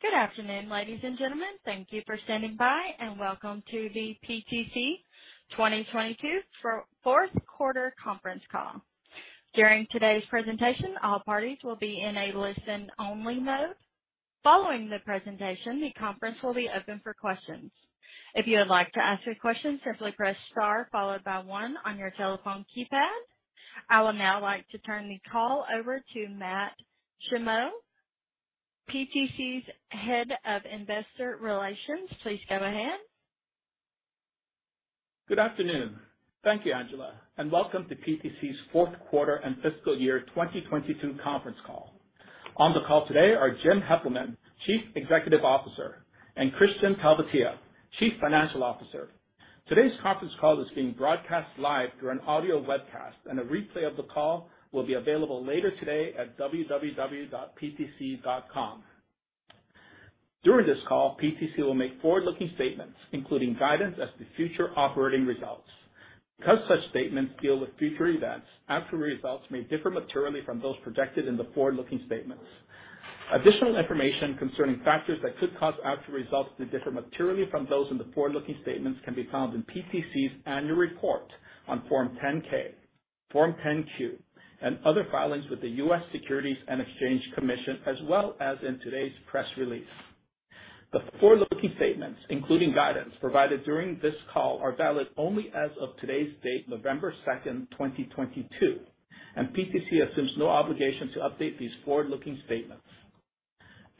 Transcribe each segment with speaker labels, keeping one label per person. Speaker 1: Good afternoon, ladies and gentlemen. Thank you for standing by, and welcome to the PTC 2022 fourth quarter conference call. During today's presentation, all parties will be in a listen-only mode. Following the presentation, the conference will be open for questions. If you would like to ask a question, simply press star followed by one on your telephone keypad. I would now like to turn the call over to Matt Shimao, PTC's Head of Investor Relations. Please go ahead.
Speaker 2: Good afternoon. Thank you, Angela, and welcome to PTC's fourth quarter and fiscal year 2022 conference call. On the call today are Jim Heppelmann, Chief Executive Officer, and Kristian Talvitie, Chief Financial Officer. Today's conference call is being broadcast live through an audio webcast, and a replay of the call will be available later today at www.ptc.com. During this call, PTC will make forward-looking statements, including guidance as to future operating results. Because such statements deal with future events, actual results may differ materially from those projected in the forward-looking statements. Additional information concerning factors that could cause actual results to differ materially from those in the forward-looking statements can be found in PTC's annual report on Form 10-K, Form 10-Q, and other filings with the U.S. Securities and Exchange Commission, as well as in today's press release. The forward-looking statements, including guidance provided during this call, are valid only as of today's date, November 2, 2022, and PTC assumes no obligation to update these forward-looking statements.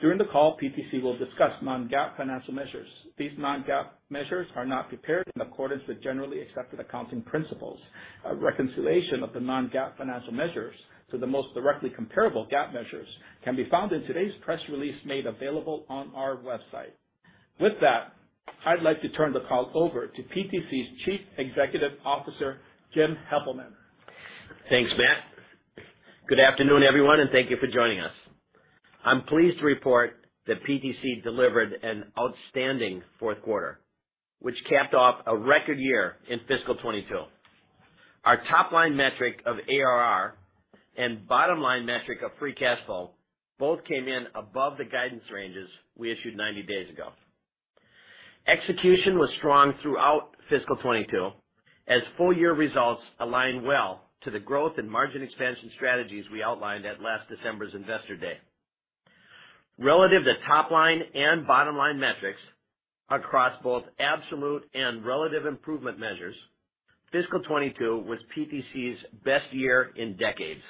Speaker 2: During the call, PTC will discuss non-GAAP financial measures. These non-GAAP measures are not prepared in accordance with generally accepted accounting principles. A reconciliation of the non-GAAP financial measures to the most directly comparable GAAP measures can be found in today's press release made available on our website. With that, I'd like to turn the call over to PTC's Chief Executive Officer, Jim Heppelmann.
Speaker 3: Thanks, Matt. Good afternoon, everyone, and thank you for joining us. I'm pleased to report that PTC delivered an outstanding fourth quarter, which capped off a record year in fiscal 2022. Our top-line metric of ARR and bottom-line metric of free cash flow both came in above the guidance ranges we issued 90 days ago. Execution was strong throughout fiscal 2022, as full year results align well to the growth and margin expansion strategies we outlined at last December's Investor Day. Relative to top-line and bottom-line metrics across both absolute and relative improvement measures, fiscal 2022 was PTC's best year in decades.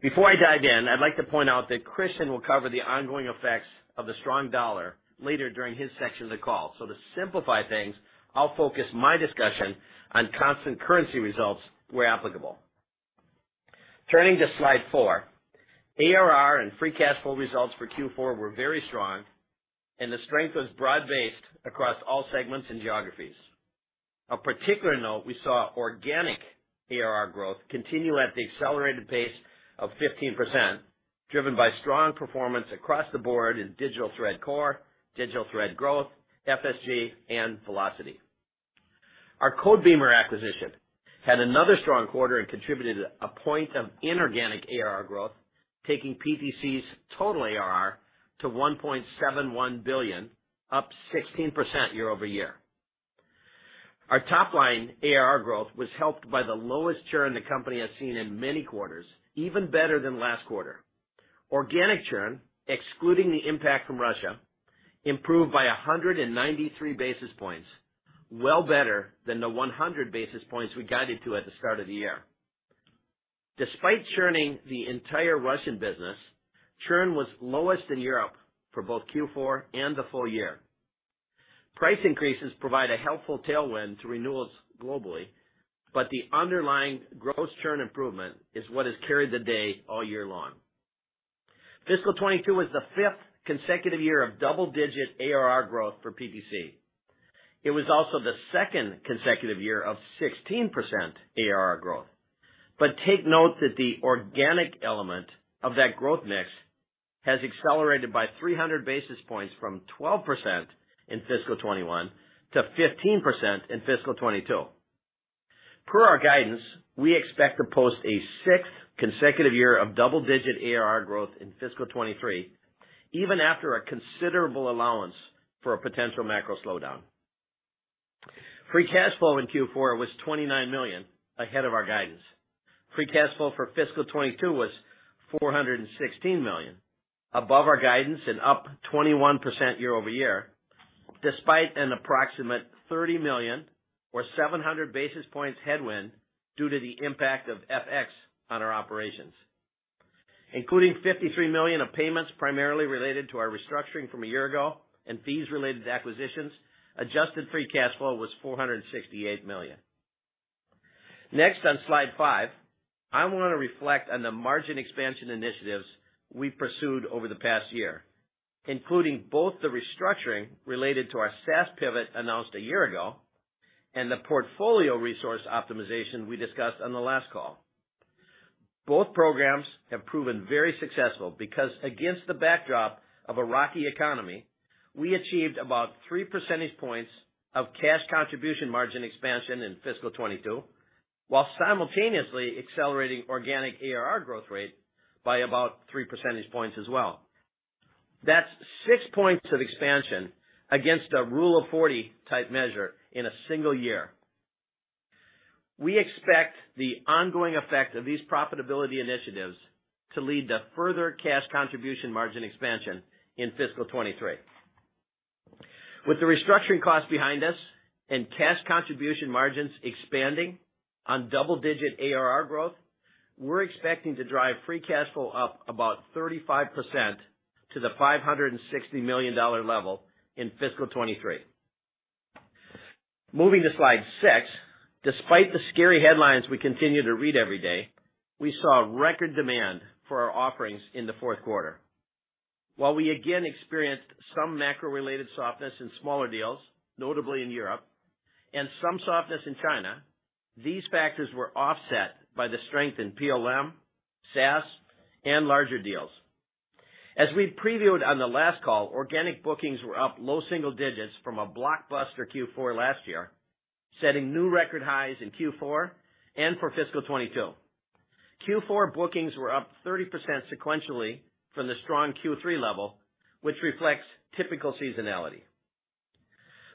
Speaker 3: Before I dive in, I'd like to point out that Kristian will cover the ongoing effects of the strong dollar later during his section of the call. To simplify things, I'll focus my discussion on constant currency results where applicable. Turning to slide Four. ARR and free cash flow results for Q4 were very strong, and the strength was broad-based across all segments and geographies. Of particular note, we saw organic ARR growth continue at the accelerated pace of 15%, driven by strong performance across the board in Digital Thread Core, Digital Thread Growth, FSG, and Velocity. Our Codebeamer acquisition had another strong quarter and contributed a point of inorganic ARR growth, taking PTC's total ARR to $1.71 billion, up 16% year-over-year. Our top line ARR growth was helped by the lowest churn the company has seen in many quarters, even better than last quarter. Organic churn, excluding the impact from Russia, improved by 193 basis points, well better than the 100 basis points we guided to at the start of the year. Despite churning the entire Russian business, churn was lowest in Europe for both Q4 and the full year. Price increases provide a helpful tailwind to renewals globally, but the underlying gross churn improvement is what has carried the day all year long. Fiscal 2022 was the fifth consecutive year of double-digit ARR growth for PTC. It was also the second consecutive year of 16% ARR growth. Take note that the organic element of that growth mix has accelerated by 300 basis points from 12% in fiscal 2021 to 15% in fiscal 2022. Per our guidance, we expect to post a sixth consecutive year of double-digit ARR growth in fiscal 2023, even after a considerable allowance for a potential macro slowdown. Free cash flow in Q4 was $29 million, ahead of our guidance. Free cash flow for fiscal 2022 was $416 million, above our guidance and up 21% year-over-year, despite an approximate $30 million or 700 basis points headwind due to the impact of FX on our operations. Including $53 million of payments primarily related to our restructuring from a year ago and fees related to acquisitions, adjusted free cash flow was $468 million. Next, on slide five, I wanna reflect on the margin expansion initiatives we pursued over the past year, including both the restructuring related to our SaaS pivot announced a year ago and the portfolio resource optimization we discussed on the last call. Both programs have proven very successful because against the backdrop of a rocky economy, we achieved about 3 percentage points of cash contribution margin expansion in fiscal 2022. While simultaneously accelerating organic ARR growth rate by about 3 percentage points as well. That's 6 points of expansion against a rule of forty type measure in a single year. We expect the ongoing effect of these profitability initiatives to lead to further cash contribution margin expansion in fiscal 2023. With the restructuring costs behind us and cash contribution margins expanding on double-digit ARR growth, we're expecting to drive free cash flow up about 35% to the $560 million level in fiscal 2023. Moving to slide six. Despite the scary headlines we continue to read every day, we saw record demand for our offerings in the fourth quarter. While we again experienced some macro-related softness in smaller deals, notably in Europe, and some softness in China, these factors were offset by the strength in PLM, SaaS, and larger deals. As we previewed on the last call, organic bookings were up low single digits from a blockbuster Q4 last year, setting new record highs in Q4 and for fiscal 2022. Q4 bookings were up 30% sequentially from the strong Q3 level, which reflects typical seasonality.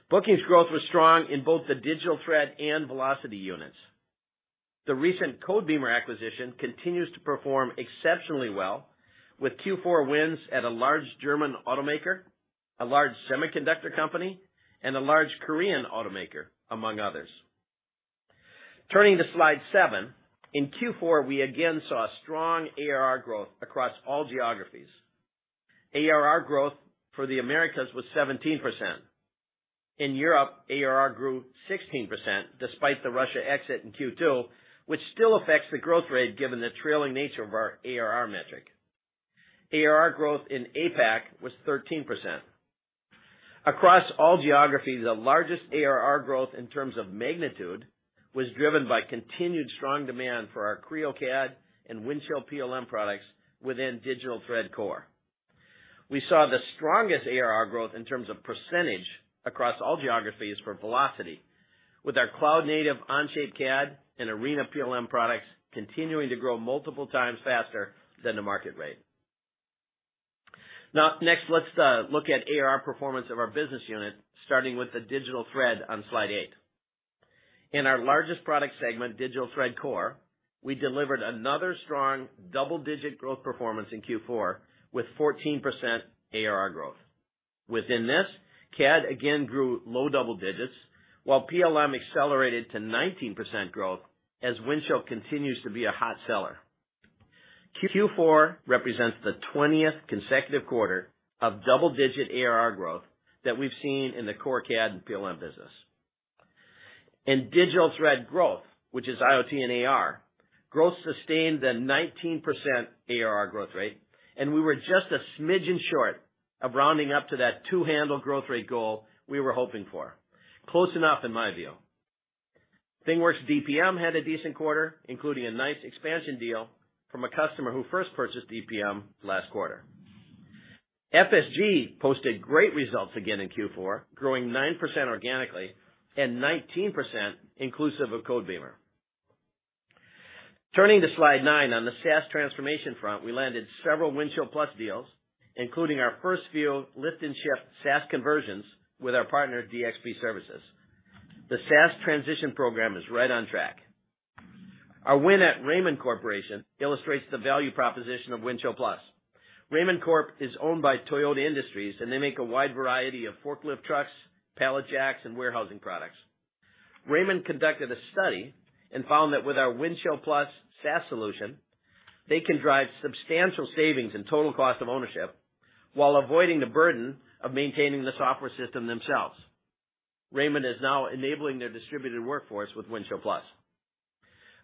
Speaker 3: Bookings growth was strong in both the Digital Thread and Velocity units. The recent Codebeamer acquisition continues to perform exceptionally well with Q4 wins at a large German automaker, a large semiconductor company, and a large Korean automaker, among others. Turning to slide seven. In Q4, we again saw strong ARR growth across all geographies. ARR growth for the Americas was 17%. In Europe, ARR grew 16% despite the Russia exit in Q2, which still affects the growth rate given the trailing nature of our ARR metric. ARR growth in APAC was 13%. Across all geographies, the largest ARR growth in terms of magnitude was driven by continued strong demand for our Creo CAD and Windchill PLM products within Digital Thread Core. We saw the strongest ARR growth in terms of percentage across all geographies for Velocity, with our cloud-native Onshape CAD and Arena PLM products continuing to grow multiple times faster than the market rate. Now, next, let's look at ARR performance of our business unit, starting with the Digital Thread on slide eight. In our largest product segment, Digital Thread Core, we delivered another strong double-digit growth performance in Q4 with 14% ARR growth. Within this, CAD again grew low double digits, while PLM accelerated to 19% growth as Windchill continues to be a hot seller. Q4 represents the 20th consecutive quarter of double-digit ARR growth that we've seen in the Core CAD and PLM business. In Digital Thread growth, which is IoT and AR, growth sustained the 19% ARR growth rate, and we were just a smidgen short of rounding up to that two-handle growth rate goal we were hoping for. Close enough in my view. ThingWorx DPM had a decent quarter, including a nice expansion deal from a customer who first purchased DPM last quarter. FSG posted great results again in Q4, growing 9% organically and 19% inclusive of Codebeamer. Turning to slide nine. On the SaaS transformation front, we landed several Windchill Plus deals, including our first few lift and shift SaaS conversions with our partner DxP Services. The SaaS transition program is right on track. Our win at The Raymond Corporation illustrates the value proposition of Windchill Plus. The Raymond Corporation is owned by Toyota Industries Corporation, and they make a wide variety of forklift trucks, pallet jacks, and warehousing products. The Raymond Corporation conducted a study and found that with our Windchill Plus SaaS solution, they can drive substantial savings in total cost of ownership while avoiding the burden of maintaining the software system themselves. The Raymond Corporation is now enabling their distributed workforce with Windchill Plus.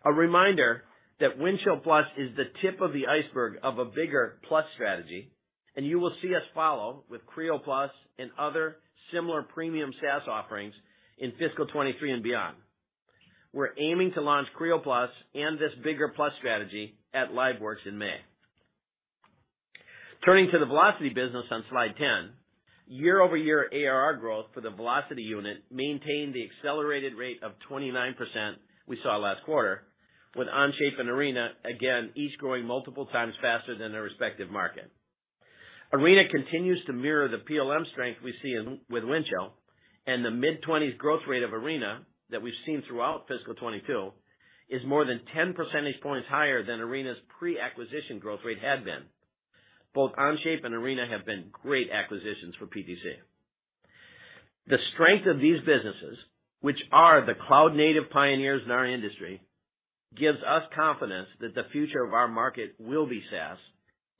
Speaker 3: A reminder that Windchill Plus is the tip of the iceberg of a bigger Plus strategy, and you will see us follow with Creo Plus and other similar premium SaaS offerings in fiscal 2023 and beyond. We're aiming to launch Creo Plus and this bigger Plus strategy at LiveWorx in May. Turning to the Velocity business on slide 10. Year-over-year ARR growth for the Velocity unit maintained the accelerated rate of 29% we saw last quarter, with Onshape and Arena, again, each growing multiple times faster than their respective market. Arena continues to mirror the PLM strength we see in Windchill and the mid-20s growth rate of Arena that we've seen throughout fiscal 2022 is more than 10 percentage points higher than Arena's pre-acquisition growth rate had been. Both Onshape and Arena have been great acquisitions for PTC. The strength of these businesses, which are the cloud-native pioneers in our industry, gives us confidence that the future of our market will be SaaS,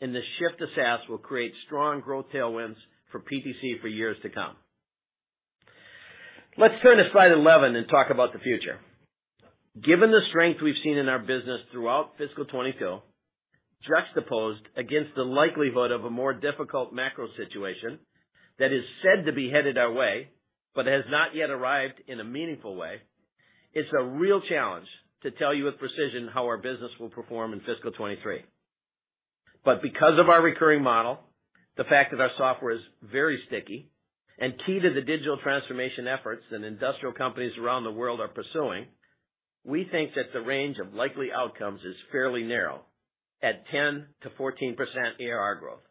Speaker 3: and the shift to SaaS will create strong growth tailwinds for PTC for years to come. Let's turn to slide 11 and talk about the future. Given the strength we've seen in our business throughout fiscal 2022, juxtaposed against the likelihood of a more difficult macro situation that is said to be headed our way but has not yet arrived in a meaningful way, it's a real challenge to tell you with precision how our business will perform in fiscal 2023. Because of our recurring model, the fact that our software is very sticky and key to the digital transformation efforts that industrial companies around the world are pursuing, we think that the range of likely outcomes is fairly narrow at 10%-14% ARR growth.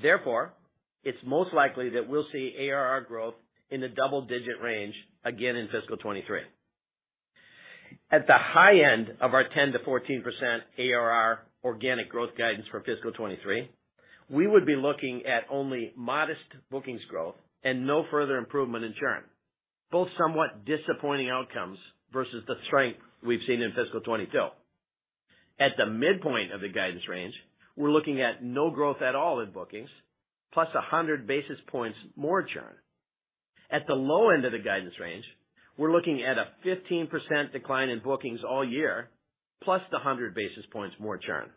Speaker 3: Therefore, it's most likely that we'll see ARR growth in the double-digit range again in fiscal 2023. At the high end of our 10%-14% ARR organic growth guidance for fiscal 2023, we would be looking at only modest bookings growth and no further improvement in churn, both somewhat disappointing outcomes versus the strength we've seen in fiscal 2022. At the midpoint of the guidance range, we're looking at no growth at all in bookings plus 100 basis points more churn. At the low end of the guidance range, we're looking at a 15% decline in bookings all year, plus the 100 basis points more churn.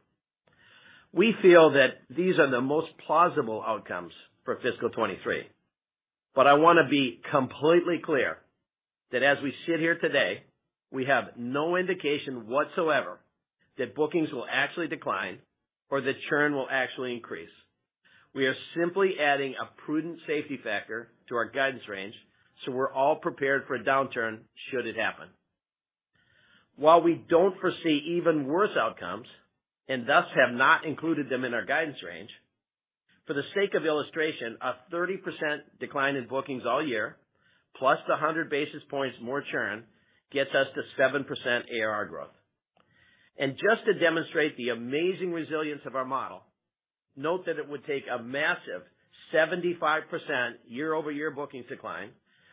Speaker 3: We feel that these are the most plausible outcomes for fiscal 2023, but I wanna be completely clear that as we sit here today, we have no indication whatsoever that bookings will actually decline or that churn will actually increase. We are simply adding a prudent safety factor to our guidance range, so we're all prepared for a downturn should it happen. While we don't foresee even worse outcomes and thus have not included them in our guidance range, for the sake of illustration, a 30% decline in bookings all year, plus the 100 basis points more churn gets us to 7% ARR growth. Just to demonstrate the amazing resilience of our model, note that it would take a massive 75% year-over-year bookings decline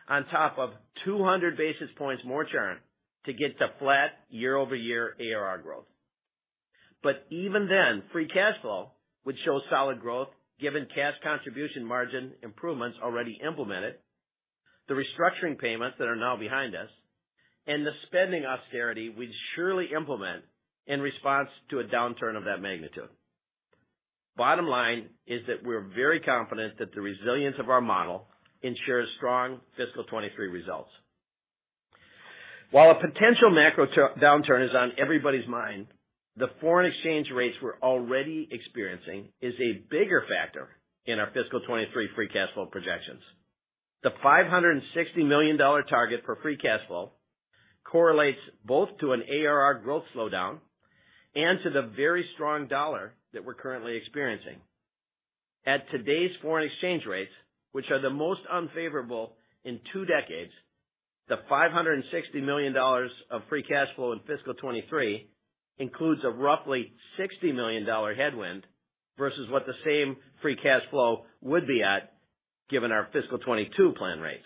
Speaker 3: on top of 200 basis points more churn to get to flat year-over-year ARR growth. Even then, free cash flow would show solid growth given cash contribution margin improvements already implemented, the restructuring payments that are now behind us, and the spending austerity we'd surely implement in response to a downturn of that magnitude. Bottom line is that we're very confident that the resilience of our model ensures strong fiscal 2023 results. While a potential macro downturn is on everybody's mind, the foreign exchange rates we're already experiencing is a bigger factor in our fiscal 2023 free cash flow projections. The $560 million target for free cash flow correlates both to an ARR growth slowdown and to the very strong dollar that we're currently experiencing. At today's foreign exchange rates, which are the most unfavorable in two decades, the $560 million of free cash flow in fiscal 2023 includes a roughly $60 million headwind versus what the same free cash flow would be at, given our fiscal 2022 plan rates.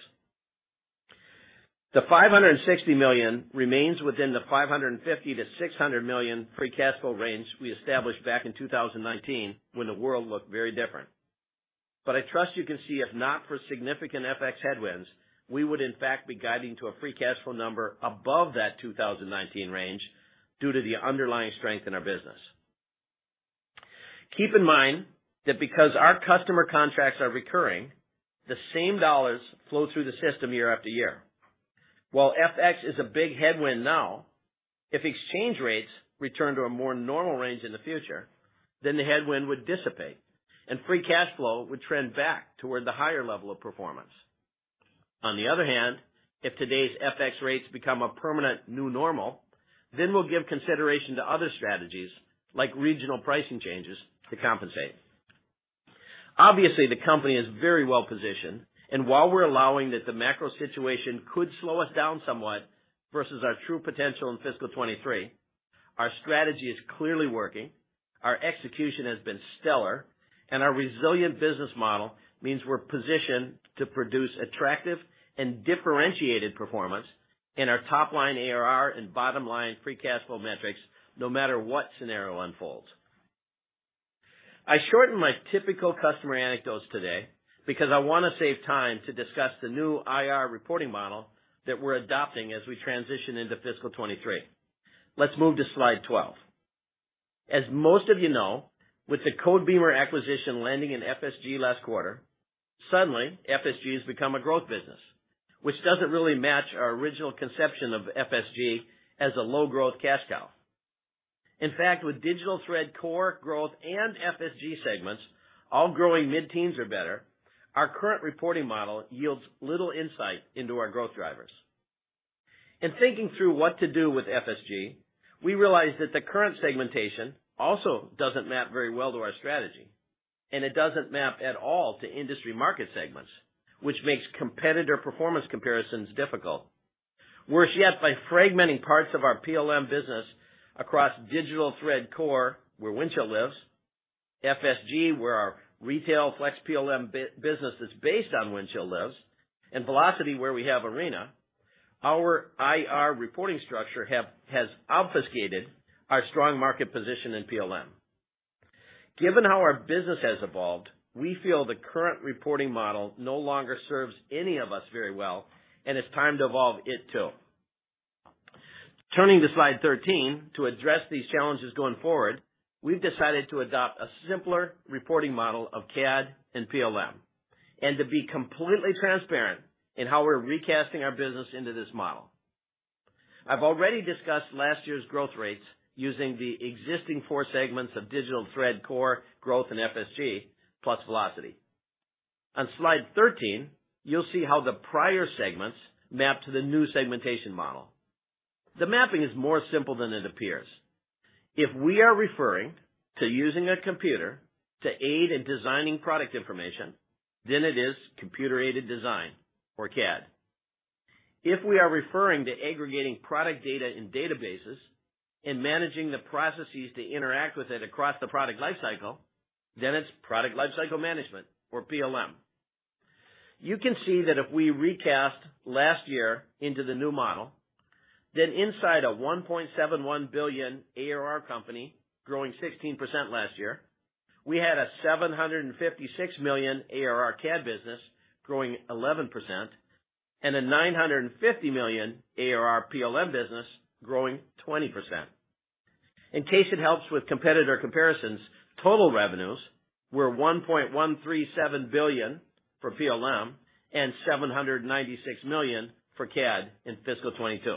Speaker 3: The $560 million remains within the $550 million-$600 million free cash flow range we established back in 2019 when the world looked very different. I trust you can see, if not for significant FX headwinds, we would in fact be guiding to a free cash flow number above that 2019 range due to the underlying strength in our business. Keep in mind that because our customer contracts are recurring, the same dollars flow through the system year after year. While FX is a big headwind now, if exchange rates return to a more normal range in the future, then the headwind would dissipate and free cash flow would trend back toward the higher level of performance. On the other hand, if today's FX rates become a permanent new normal, then we'll give consideration to other strategies like regional pricing changes to compensate. Obviously, the company is very well-positioned, and while we're allowing that the macro situation could slow us down somewhat versus our true potential in fiscal 2023, our strategy is clearly working, our execution has been stellar, and our resilient business model means we're positioned to produce attractive and differentiated performance in our top-line ARR and bottom-line free cash flow metrics, no matter what scenario unfolds. I shortened my typical customer anecdotes today because I wanna save time to discuss the new IR investor relations reporting model that we're adopting as we transition into fiscal 2023. Let's move to slide 12. As most of you know, with the Codebeamer acquisition landing in FSG last quarter, suddenly FSG has become a growth business, which doesn't really match our original conception of FSG as a low-growth cash cow. In fact, with Digital Thread Core, Growth, and FSG segments all growing mid-teens or better, our current reporting model yields little insight into our growth drivers. In thinking through what to do with FSG, we realized that the current segmentation also doesn't map very well to our strategy, and it doesn't map at all to industry market segments, which makes competitor performance comparisons difficult. Worse yet, by fragmenting parts of our PLM business across Digital Thread Core, where Windchill lives, FSG, where our retail FlexPLM business that's based on Windchill lives, and Velocity, where we have Arena, our IR reporting structure has obfuscated our strong market position in PLM. Given how our business has evolved, we feel the current reporting model no longer serves any of us very well, and it's time to evolve it too. Turning to slide 13, to address these challenges going forward, we've decided to adopt a simpler reporting model of CAD and PLM and to be completely transparent in how we're recasting our business into this model. I've already discussed last year's growth rates using the existing 4 segments of Digital Thread Core growth in FSG plus Velocity. On slide 13, you'll see how the prior segments map to the new segmentation model. The mapping is more simple than it appears. If we are referring to using a computer to aid in designing product information, then it is computer-aided design, or CAD. If we are referring to aggregating product data in databases and managing the processes to interact with it across the product lifecycle, then it's product lifecycle management or PLM. You can see that if we recast last year into the new model, then inside a $1.7 billion ARR company growing 16% last year, we had a $756 million ARR CAD business growing 11% and a $950 million ARR PLM business growing 20%. In case it helps with competitor comparisons, total revenues were $1.137 billion for PLM and $796 million for CAD in fiscal 2022.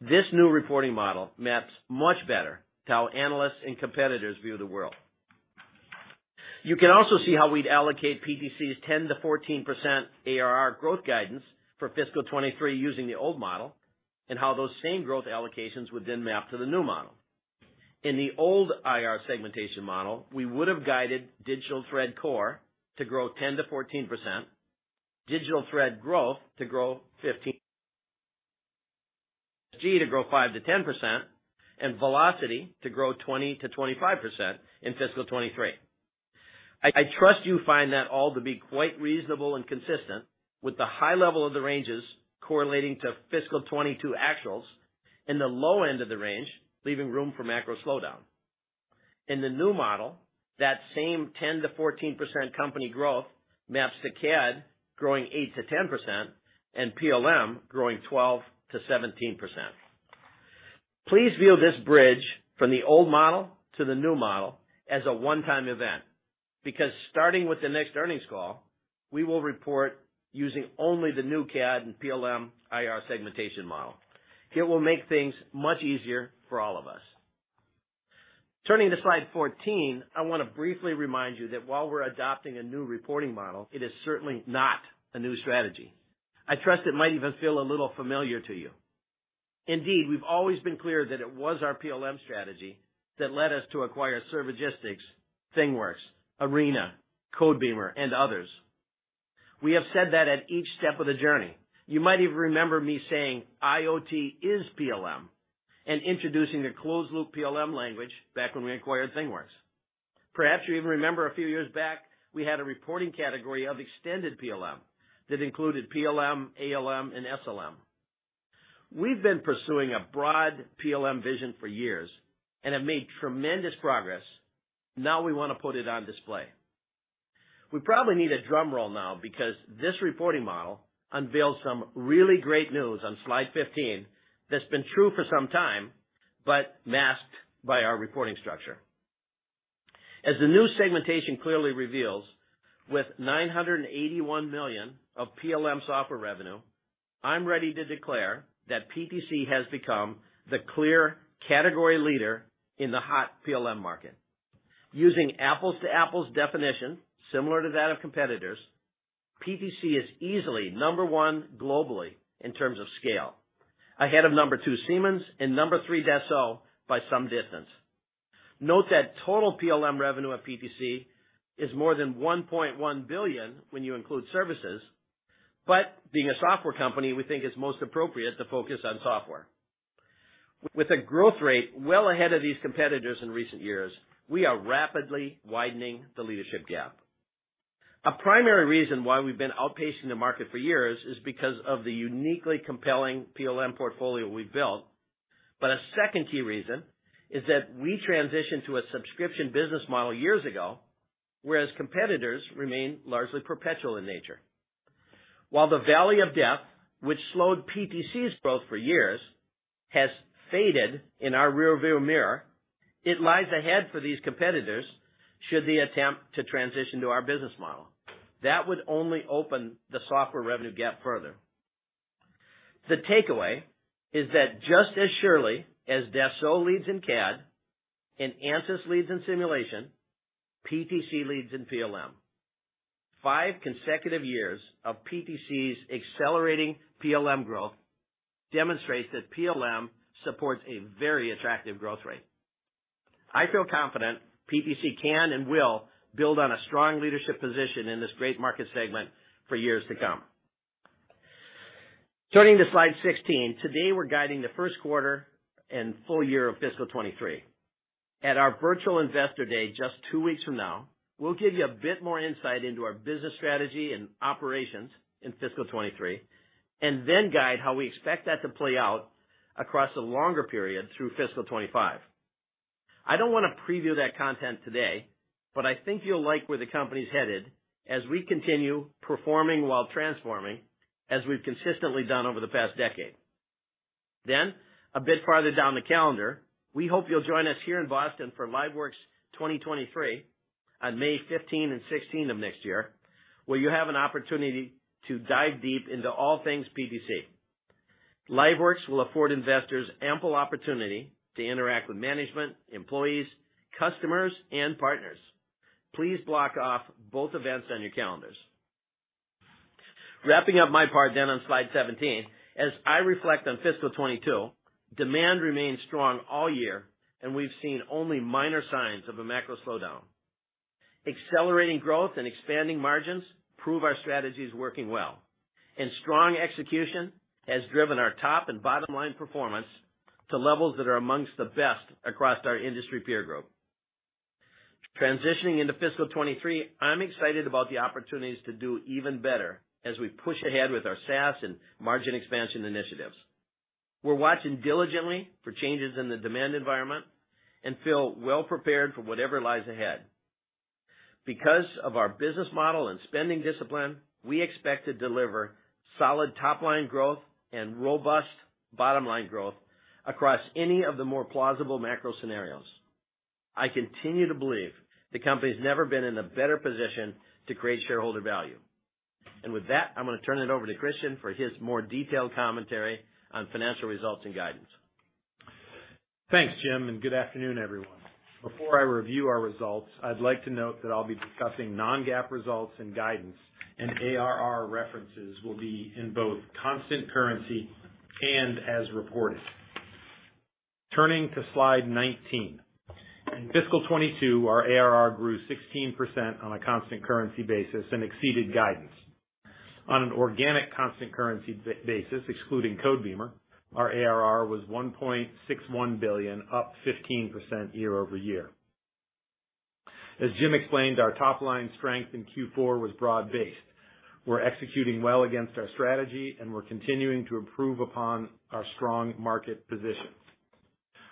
Speaker 3: This new reporting model maps much better to how analysts and competitors view the world. You can also see how we'd allocate PTC's 10%-14% ARR growth guidance for fiscal 2023 using the old model, and how those same growth allocations would then map to the new model. In the old IR segmentation model, we would have guided Digital Thread Core to grow 10%-14%, Digital Thread Growth to grow 15%-20%, Service to grow 5%-10%, and Velocity to grow 20%-25% in fiscal 2023. I trust you find that all to be quite reasonable and consistent with the high level of the ranges correlating to fiscal 2022 actuals and the low end of the range, leaving room for macro slowdown. In the new model, that same 10%-14% company growth maps to CAD growing 8%-10% and PLM growing 12%-17%. Please view this bridge from the old model to the new model as a one-time event, because starting with the next earnings call, we will report using only the new CAD and PLM IR segmentation model. It will make things much easier for all of us. Turning to slide 14, I wanna briefly remind you that while we're adopting a new reporting model, it is certainly not a new strategy. I trust it might even feel a little familiar to you. Indeed, we've always been clear that it was our PLM strategy that led us to acquire Servigistics, ThingWorx, Arena, Codebeamer, and others. We have said that at each step of the journey. You might even remember me saying, "IoT is PLM," and introducing the closed-loop PLM language back when we acquired ThingWorx. Perhaps you even remember a few years back, we had a reporting category of extended PLM that included PLM, ALM, and SLM. We've been pursuing a broad PLM vision for years and have made tremendous progress. Now we wanna put it on display. We probably need a drum roll now because this reporting model unveils some really great news on slide 15 that's been true for some time, but masked by our reporting structure. As the new segmentation clearly reveals, with $981 million of PLM software revenue, I'm ready to declare that PTC has become the clear category leader in the hot PLM market. Using apples to apples definition, similar to that of competitors, PTC is easily number one globally in terms of scale, ahead of number two, Siemens, and number three, Dassault, by some distance. Note that total PLM revenue at PTC is more than $1.1 billion when you include services. Being a software company, we think it's most appropriate to focus on software. With a growth rate well ahead of these competitors in recent years, we are rapidly widening the leadership gap. A primary reason why we've been outpacing the market for years is because of the uniquely compelling PLM portfolio we've built. A second key reason is that we transitioned to a subscription business model years ago, whereas competitors remain largely perpetual in nature. While the valley of death, which slowed PTC's growth for years, has faded in our rearview mirror, it lies ahead for these competitors should they attempt to transition to our business model. That would only open the software revenue gap further. The takeaway is that just as surely as Dassault leads in CAD and Ansys leads in simulation, PTC leads in PLM. Five consecutive years of PTC's accelerating PLM growth demonstrates that PLM supports a very attractive growth rate. I feel confident PTC can and will build on a strong leadership position in this great market segment for years to come. Turning to slide 16. Today, we're guiding the first quarter and full year of fiscal 2023. At our virtual investor day just two weeks from now, we'll give you a bit more insight into our business strategy and operations in fiscal 2023, and then guide how we expect that to play out across a longer period through fiscal 2025. I don't wanna preview that content today, but I think you'll like where the company's headed as we continue performing while transforming as we've consistently done over the past decade. A bit farther down the calendar, we hope you'll join us here in Boston for LiveWorx 2023 on May 15 and 16 of next year. Where you have an opportunity to dive deep into all things PTC. LiveWorx will afford investors ample opportunity to interact with management, employees, customers, and partners. Please block off both events on your calendars. Wrapping up my part then on slide 17. As I reflect on fiscal 2022, demand remains strong all year, and we've seen only minor signs of a macro slowdown. Accelerating growth and expanding margins prove our strategy is working well. Strong execution has driven our top and bottom line performance to levels that are among the best across our industry peer group. Transitioning into fiscal 2023, I'm excited about the opportunities to do even better as we push ahead with our SaaS and margin expansion initiatives. We're watching diligently for changes in the demand environment and feel well prepared for whatever lies ahead. Because of our business model and spending discipline, we expect to deliver solid top line growth and robust bottom line growth across any of the more plausible macro scenarios. I continue to believe the company's never been in a better position to create shareholder value. With that, I'm gonna turn it over to Kristian Talvitie for his more detailed commentary on financial results and guidance.
Speaker 4: Thanks, Jim, and good afternoon, everyone. Before I review our results, I'd like to note that I'll be discussing non-GAAP results and guidance, and ARR references will be in both constant currency and as reported. Turning to slide 19. In fiscal 2022, our ARR grew 16% on a constant currency basis and exceeded guidance. On an organic constant currency basis, excluding Codebeamer, our ARR was $1.61 billion, up 15% year-over-year. As Jim explained, our top line strength in Q4 was broad-based. We're executing well against our strategy, and we're continuing to improve upon our strong market positions.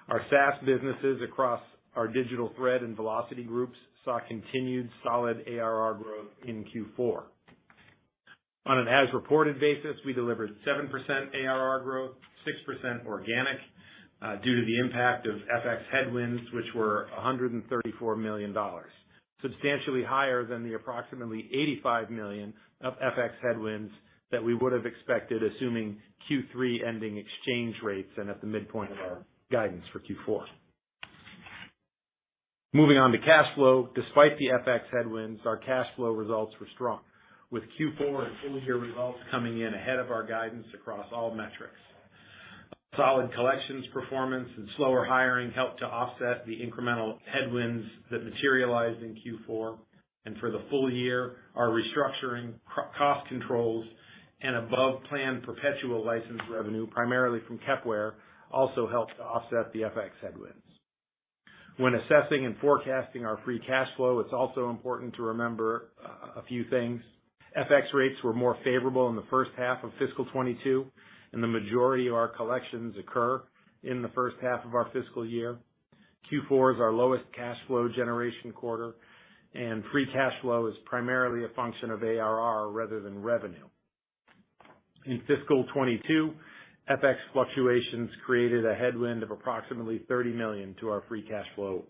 Speaker 4: Our SaaS businesses across our Digital Thread and Velocity groups saw continued solid ARR growth in Q4. On an as-reported basis, we delivered 7% ARR growth, 6% organic, due to the impact of FX headwinds, which were $134 million, substantially higher than the approximately $85 million of FX headwinds that we would have expected, assuming Q3 ending exchange rates and at the midpoint of our guidance for Q4. Moving on to cash flow. Despite the FX headwinds, our cash flow results were strong, with Q4 and full-year results coming in ahead of our guidance across all metrics. Solid collections performance and slower hiring helped to offset the incremental headwinds that materialized in Q4. For the full year, our restructuring, cost controls, and above-plan perpetual license revenue, primarily from Kepware, also helped to offset the FX headwinds. When assessing and forecasting our free cash flow, it's also important to remember a few things. FX rates were more favorable in the first half of fiscal 2022, and the majority of our collections occur in the first half of our fiscal year. Q4 is our lowest cash flow generation quarter, and free cash flow is primarily a function of ARR rather than revenue. In fiscal 2022, FX fluctuations created a headwind of approximately $30 million to our free cash flow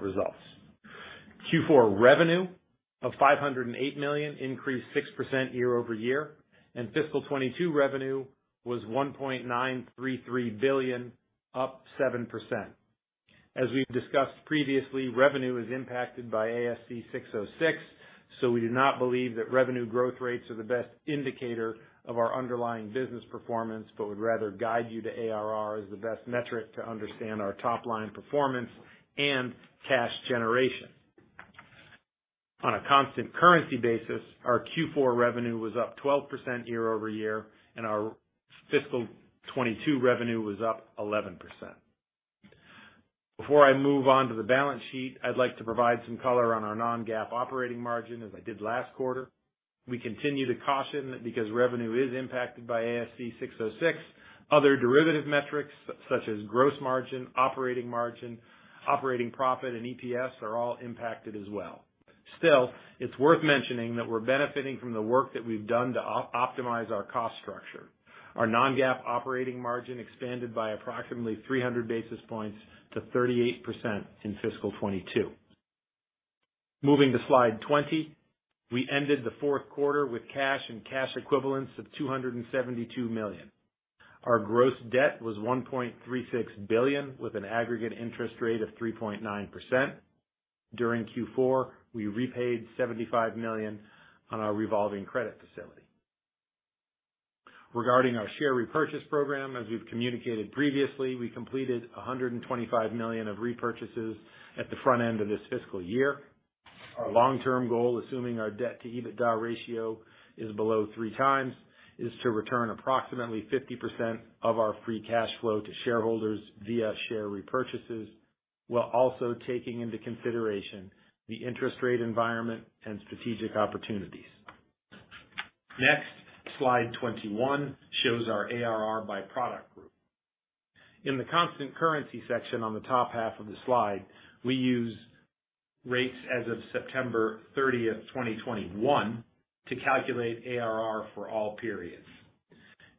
Speaker 4: results. Q4 revenue of $508 million increased 6% year-over-year, and fiscal 2022 revenue was $1.933 billion, up 7%. As we've discussed previously, revenue is impacted by ASC 606, so we do not believe that revenue growth rates are the best indicator of our underlying business performance, but would rather guide you to ARR as the best metric to understand our top line performance and cash generation. On a constant currency basis, our Q4 revenue was up 12% year over year, and our fiscal 2022 revenue was up 11%. Before I move on to the balance sheet, I'd like to provide some color on our non-GAAP operating margin as I did last quarter. We continue to caution that because revenue is impacted by ASC 606, other derivative metrics such as gross margin, operating margin, operating profit, and EPS are all impacted as well. Still, it's worth mentioning that we're benefiting from the work that we've done to optimize our cost structure. Our non-GAAP operating margin expanded by approximately 300 basis points to 38% in fiscal 2022. Moving to slide 20. We ended the fourth quarter with cash and cash equivalents of $272 million. Our gross debt was $1.36 billion, with an aggregate interest rate of 3.9%. During Q4, we repaid $75 million on our revolving credit facility. Regarding our share repurchase program, as we've communicated previously, we completed $125 million of repurchases at the front end of this fiscal year. Our long-term goal, assuming our debt to EBITDA ratio is below 3x, is to return approximately 50% of our free cash flow to shareholders via share repurchases, while also taking into consideration the interest rate environment and strategic opportunities. Next, slide 21 shows our ARR by product group. In the constant currency section on the top half of the slide, we use rates as of September 30, 2021, to calculate ARR for all periods.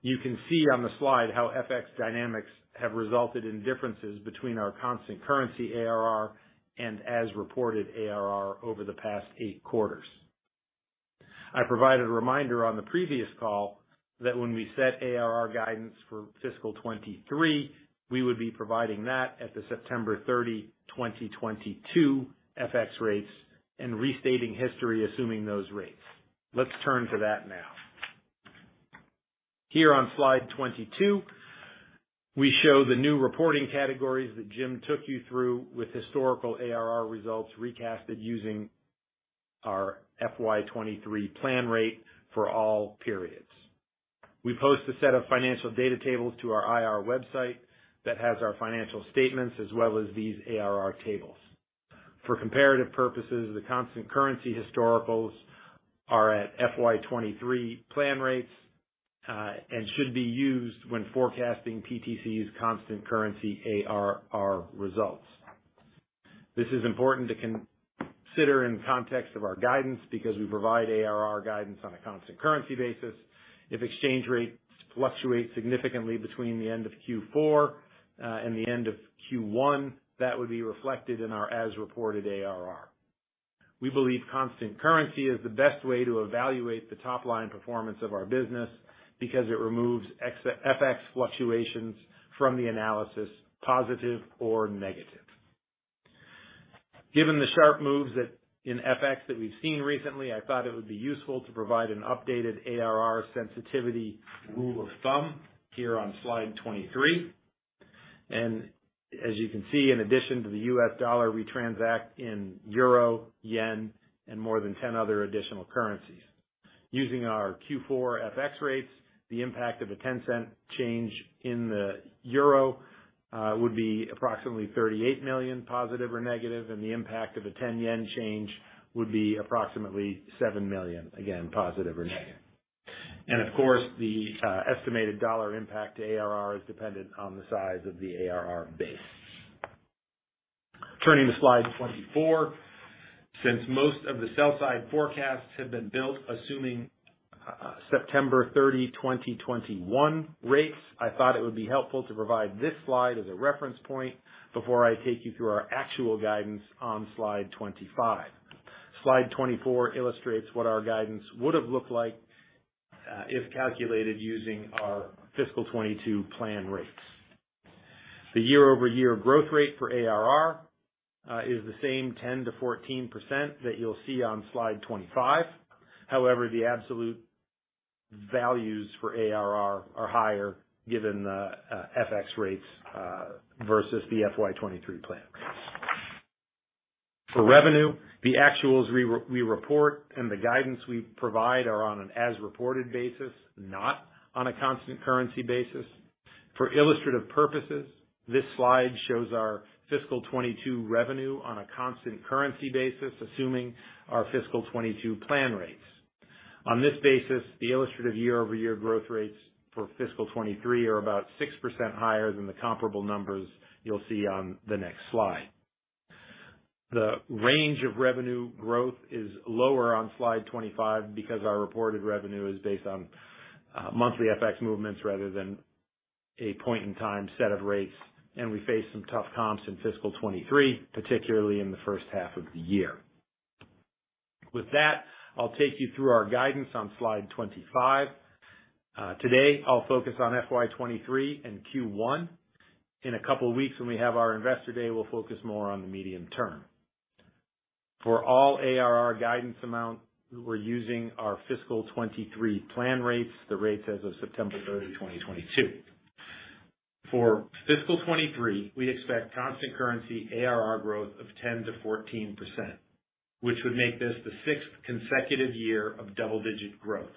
Speaker 4: You can see on the slide how FX dynamics have resulted in differences between our constant currency ARR and as reported ARR over the past 8 quarters. I provided a reminder on the previous call that when we set ARR guidance for fiscal 2023, we would be providing that at the September 30, 2022 FX rates and restating history assuming those rates. Let's turn to that now. Here on slide 22, we show the new reporting categories that Jim took you through with historical ARR results recasted using our FY 2023 plan rate for all periods. We post a set of financial data tables to our IR website that has our financial statements as well as these ARR tables. For comparative purposes, the constant currency historicals are at FY 2023 plan rates, and should be used when forecasting PTC's constant currency ARR results. This is important to consider in context of our guidance because we provide ARR guidance on a constant currency basis. If exchange rates fluctuate significantly between the end of Q4, and the end of Q1, that would be reflected in our as-reported ARR. We believe constant currency is the best way to evaluate the top-line performance of our business because it removes ex-FX fluctuations from the analysis, positive or negative. Given the sharp moves in FX that we've seen recently, I thought it would be useful to provide an updated ARR sensitivity rule of thumb here on slide 23. As you can see, in addition to the U.S. dollar, we transact in euro, yen, and more than 10 other additional currencies. Using our Q4 FX rates, the impact of a 10-cent change in the euro would be approximately $38 million positive or negative, and the impact of a 10-yen change would be approximately $7 million, again, positive or negative. Of course, the estimated dollar impact to ARR is dependent on the size of the ARR base. Turning to slide 24. Since most of the sell side forecasts have been built assuming September 30, 2021 rates, I thought it would be helpful to provide this slide as a reference point before I take you through our actual guidance on slide 25. Slide 24 illustrates what our guidance would have looked like if calculated using our fiscal 2022 plan rates. The year-over-year growth rate for ARR is the same 10%-14% that you'll see on slide 25. However, the absolute values for ARR are higher given the FX rates versus the FY 2023 plan. For revenue, the actuals we report and the guidance we provide are on an as-reported basis, not on a constant currency basis. For illustrative purposes, this slide shows our fiscal 2022 revenue on a constant currency basis, assuming our fiscal 2022 plan rates. On this basis, the illustrative year-over-year growth rates for fiscal 2023 are about 6% higher than the comparable numbers you'll see on the next slide. The range of revenue growth is lower on slide 25 because our reported revenue is based on monthly FX movements rather than a point-in-time set of rates, and we face some tough comps in fiscal 2023, particularly in the first half of the year. With that, I'll take you through our guidance on slide 25. Today, I'll focus on FY 2023 and Q1. In a couple of weeks when we have our Investor Day, we'll focus more on the medium-term. For all ARR guidance amount, we're using our fiscal 2023 plan rates, the rates as of September 30, 2022. For fiscal 2023, we expect constant currency ARR growth of 10%-14%, which would make this the sixth consecutive year of double-digit growth.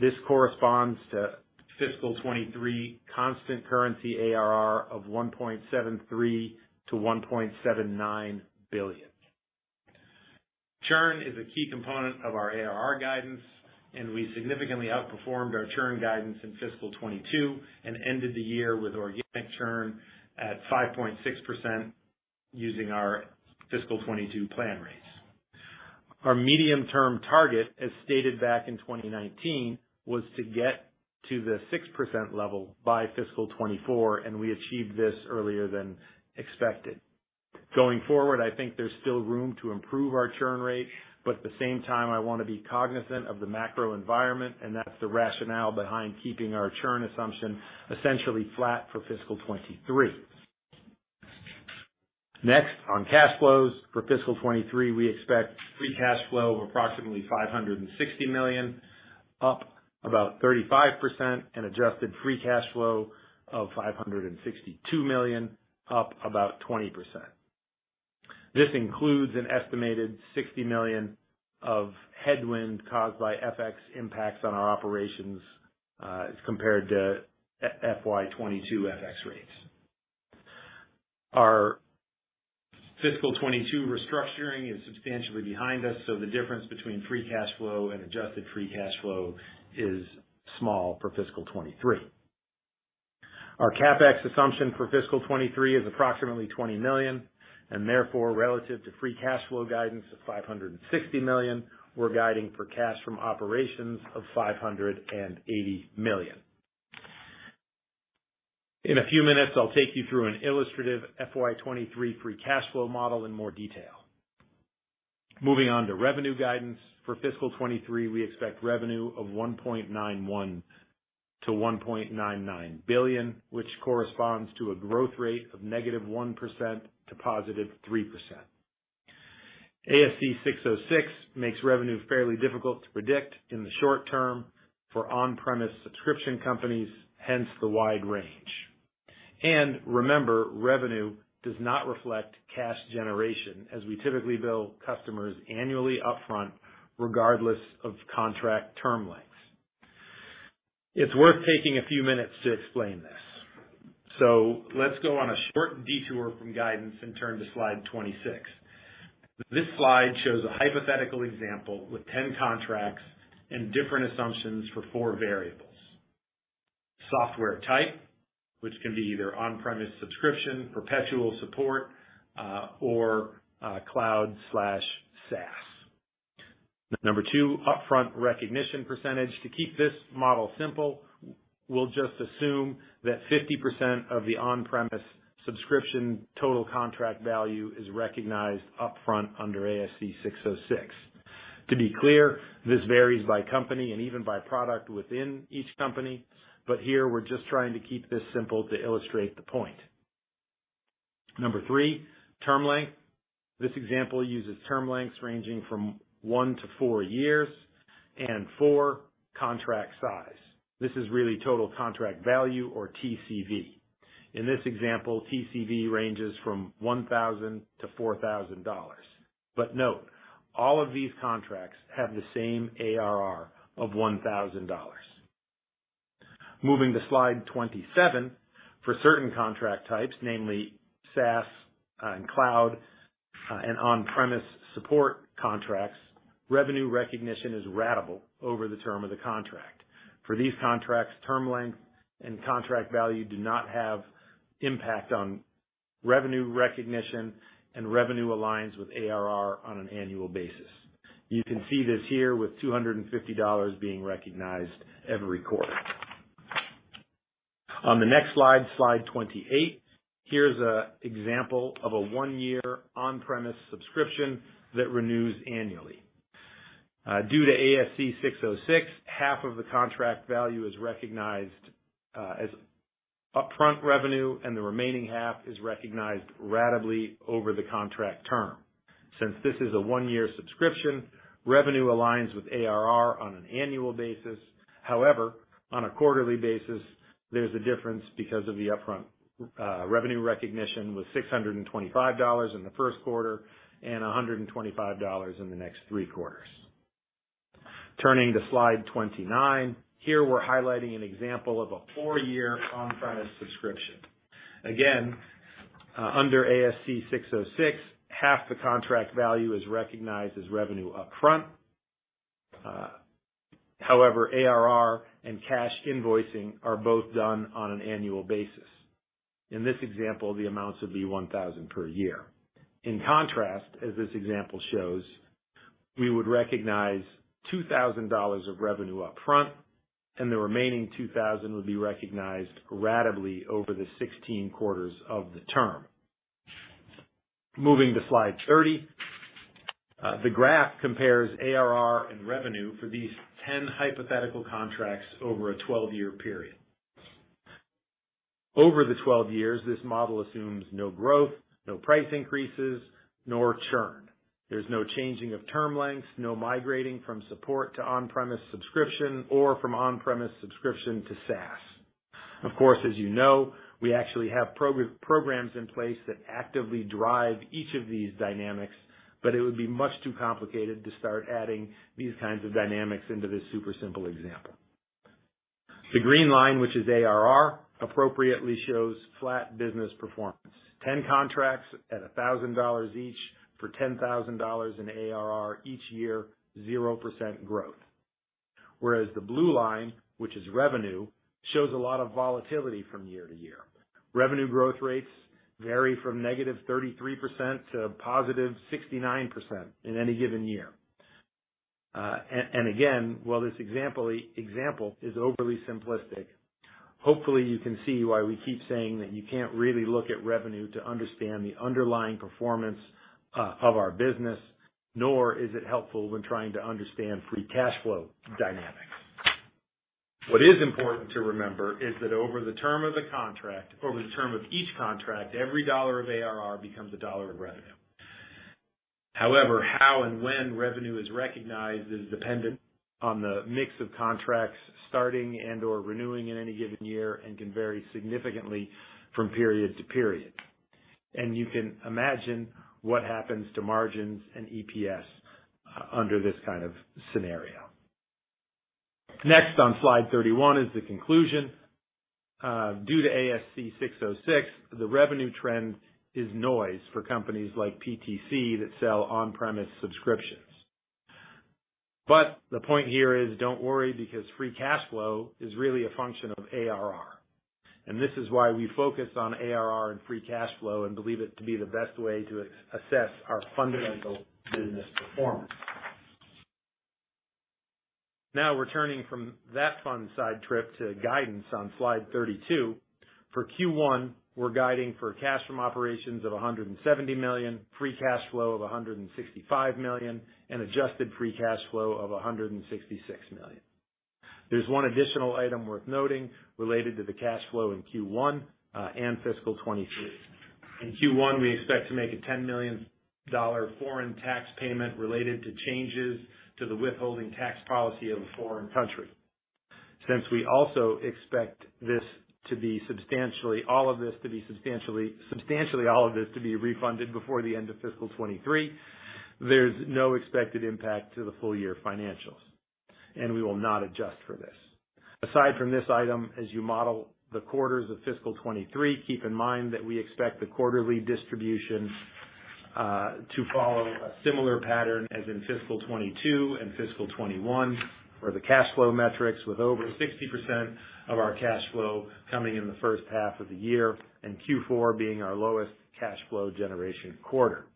Speaker 4: This corresponds to fiscal 2023 constant currency ARR of $1.73 billion-$1.79 billion. Churn is a key component of our ARR guidance, and we significantly outperformed our churn guidance in fiscal 2022 and ended the year with organic churn at 5.6% using our fiscal 2022 plan rates. Our medium-term target, as stated back in 2019, was to get to the 6% level by fiscal 2024, and we achieved this earlier than expected. Going forward, I think there's still room to improve our churn rate, but at the same time, I wanna be cognizant of the macro environment, and that's the rationale behind keeping our churn assumption essentially flat for fiscal 2023. Next, on cash flows. For fiscal 2023, we expect free cash flow of approximately $560 million, up about 35%, and adjusted free cash flow of $562 million, up about 20%. This includes an estimated $60 million of headwind caused by FX impacts on our operations, as compared to FY 2022 FX rates. Our fiscal 2022 restructuring is substantially behind us, so the difference between free cash flow and adjusted free cash flow is small for fiscal 2023. Our CapEx assumption for fiscal 2023 is approximately $20 million, and therefore relative to free cash flow guidance of $560 million, we're guiding for cash from operations of $580 million. In a few minutes, I'll take you through an illustrative FY 2023 free cash flow model in more detail. Moving on to revenue guidance. For fiscal 2023, we expect revenue of $1.91-$1.99 billion, which corresponds to a growth rate of -1% to +3%. ASC 606 makes revenue fairly difficult to predict in the short term for on-premise subscription companies, hence the wide range. Remember, revenue does not reflect cash generation as we typically bill customers annually upfront regardless of contract term lengths. It's worth taking a few minutes to explain this. Let's go on a short detour from guidance and turn to slide 26. This slide shows a hypothetical example with 10 contracts and different assumptions for four variables. Software type, which can be either on-premise subscription, perpetual support, or cloud/SaaS. 2, upfront recognition percentage. To keep this model simple, we'll just assume that 50% of the on-premise subscription total contract value is recognized upfront under ASC 606. To be clear, this varies by company and even by product within each company, but here we're just trying to keep this simple to illustrate the point. Number three, term length. This example uses term lengths ranging from 1 to 4 years. Four, contract size. This is really total contract value or TCV. In this example, TCV ranges from $1,000 to $4,000. Note, all of these contracts have the same ARR of $1,000. Moving to slide 27. For certain contract types, namely SaaS and cloud, and on-premise support contracts, revenue recognition is ratable over the term of the contract. For these contracts, term length and contract value do not have impact on revenue recognition, and revenue aligns with ARR on an annual basis. You can see this here with $250 being recognized every quarter. On the next slide 28, here's an example of a one-year on-premise subscription that renews annually. Due to ASC 606, half of the contract value is recognized as upfront revenue, and the remaining half is recognized ratably over the contract term. Since this is a one-year subscription, revenue aligns with ARR on an annual basis. However, on a quarterly basis, there's a difference because of the upfront revenue recognition with $625 in the first quarter and $125 in the next three quarters. Turning to slide 29. Here we're highlighting an example of a four-year on-premise subscription. Again, under ASC 606, half the contract value is recognized as revenue upfront. However, ARR and cash invoicing are both done on an annual basis. In this example, the amounts would be $1,000 per year. In contrast, as this example shows, we would recognize $2000 of revenue upfront, and the remaining $2000 would be recognized ratably over the 16 quarters of the term. Moving to slide 30. The graph compares ARR and revenue for these 10 hypothetical contracts over a 12-year period. Over the 12 years, this model assumes no growth, no price increases, nor churn. There's no changing of term lengths, no migrating from support to on-premise subscription or from on-premise subscription to SaaS. Of course, as you know, we actually have programs in place that actively drive each of these dynamics, but it would be much too complicated to start adding these kinds of dynamics into this super simple example. The green line, which is ARR, appropriately shows flat business performance. 10 contracts at $1000 each for $10,000 in ARR each year, 0% growth. Whereas the blue line, which is revenue, shows a lot of volatility from year to year. Revenue growth rates vary from negative 33% to positive 69% in any given year. Again, while this example is overly simplistic, hopefully you can see why we keep saying that you can't really look at revenue to understand the underlying performance of our business, nor is it helpful when trying to understand free cash flow dynamics. What is important to remember is that over the term of the contract, over the term of each contract, every dollar of ARR becomes a dollar of revenue. However, how and when revenue is recognized is dependent on the mix of contracts starting and/or renewing in any given year and can vary significantly from period to period. You can imagine what happens to margins and EPS under this kind of scenario. Next on slide 31 is the conclusion. Due to ASC 606, the revenue trend is noise for companies like PTC that sell on-premise subscriptions. The point here is don't worry because free cash flow is really a function of ARR, and this is why we focus on ARR and free cash flow and believe it to be the best way to assess our fundamental business performance. Now returning from that fun side trip to guidance on slide 32. For Q1, we're guiding for cash from operations of $170 million, free cash flow of $165 million, and adjusted free cash flow of $166 million. There's one additional item worth noting related to the cash flow in Q1 and fiscal 2023. In Q1, we expect to make a $10 million foreign tax payment related to changes to the withholding tax policy of a foreign country. Since we also expect this to be substantially all of this to be refunded before the end of fiscal 2023, there's no expected impact to the full year financials, and we will not adjust for this. Aside from this item, as you model the quarters of fiscal 2023, keep in mind that we expect the quarterly distribution to follow a similar pattern as in fiscal 2022 and fiscal 2021, where the cash flow metrics with over 60% of our cash flow coming in the first half of the year and Q4 being our lowest cash flow generation quarter.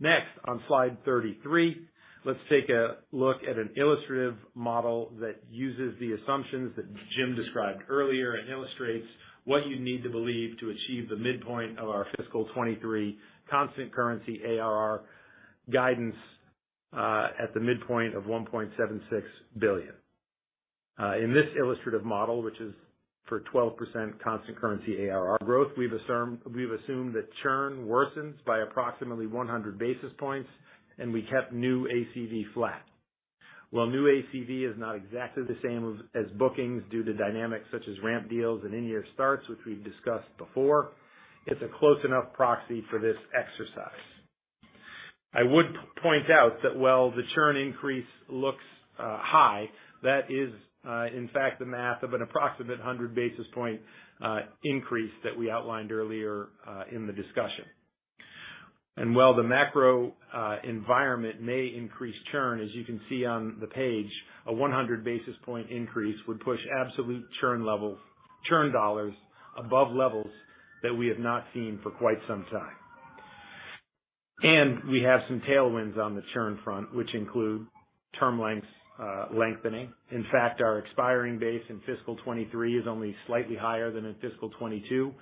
Speaker 4: Next, on slide 33, let's take a look at an illustrative model that uses the assumptions that Jim described earlier and illustrates what you'd need to believe to achieve the midpoint of our fiscal 2023 constant currency ARR guidance at the midpoint of $1.76 billion. In this illustrative model, which is for 12% constant currency ARR growth, we've assumed that churn worsens by approximately 100 basis points, and we kept new ACV flat. While new ACV is not exactly the same as bookings due to dynamics such as ramp deals and in-year starts, which we've discussed before, it's a close enough proxy for this exercise. I would point out that while the churn increase looks high, that is in fact the math of an approximate 100 basis point increase that we outlined earlier in the discussion. While the macro environment may increase churn, as you can see on the page, a 100 basis point increase would push absolute churn levels, churn dollars above levels that we have not seen for quite some time. We have some tailwinds on the churn front, which include term lengths lengthening. In fact, our expiring base in fiscal 2023 is only slightly higher than in fiscal 2022,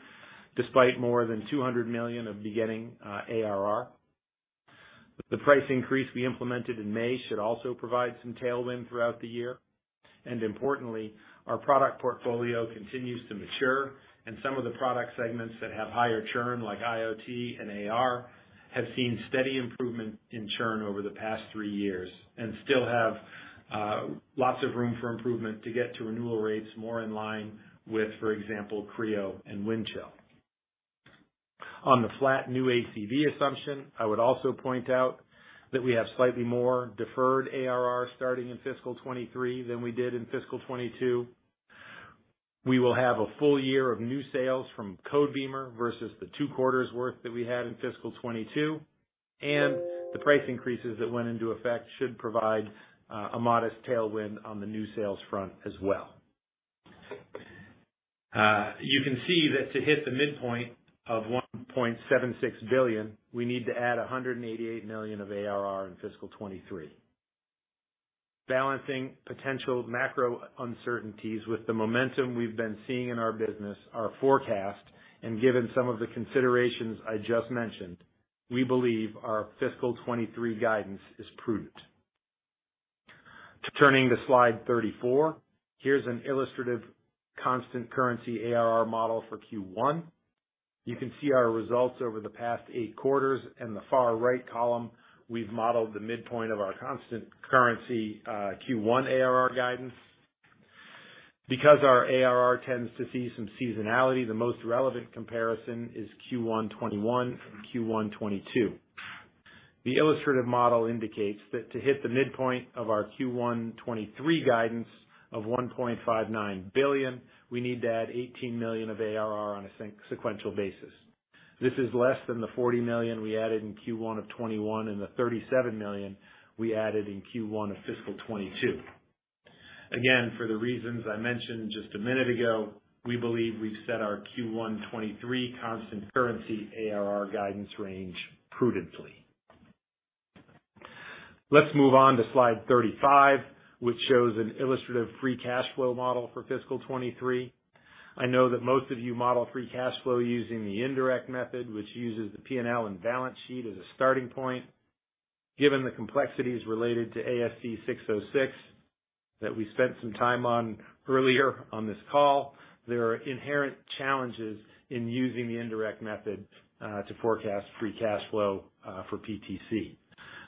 Speaker 4: despite more than $200 million of beginning ARR. The price increase we implemented in May should also provide some tailwind throughout the year. Importantly, our product portfolio continues to mature, and some of the product segments that have higher churn, like IoT and AR, have seen steady improvement in churn over the past three years and still have lots of room for improvement to get to renewal rates more in line with, for example, Creo and Windchill. On the flat new ACV assumption, I would also point out that we have slightly more deferred ARR starting in fiscal 2023 than we did in fiscal 2022. We will have a full year of new sales from Codebeamer versus the two quarters worth that we had in fiscal 2022, and the price increases that went into effect should provide a modest tailwind on the new sales front as well. You can see that to hit the midpoint of $1.76 billion, we need to add $188 million of ARR in fiscal 2023. Balancing potential macro uncertainties with the momentum we've been seeing in our business, our forecast, and given some of the considerations I just mentioned, we believe our fiscal 2023 guidance is prudent. Turning to slide 34. Here's an illustrative constant currency ARR model for Q1. You can see our results over the past eight quarters. In the far right column, we've modeled the midpoint of our constant currency Q1 ARR guidance. Because our ARR tends to see some seasonality, the most relevant comparison is Q1 2021 and Q1 2022. The illustrative model indicates that to hit the midpoint of our Q1 2023 guidance of $1.59 billion, we need to add 18 million of ARR on a sequential basis. This is less than the 40 million we added in Q1 of 2021 and the 37 million we added in Q1 of fiscal 2022. Again, for the reasons I mentioned just a minute ago, we believe we've set our Q1 2023 constant currency ARR guidance range prudently. Let's move on to slide 35, which shows an illustrative free cash flow model for fiscal 2023. I know that most of you model free cash flow using the indirect method, which uses the P&L and balance sheet as a starting point. Given the complexities related to ASC 606 that we spent some time on earlier on this call, there are inherent challenges in using the indirect method to forecast free cash flow for PTC.